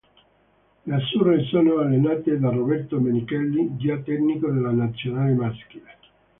Le Azzurre sono allenate da Roberto Menichelli, già tecnico della Nazionale maschile.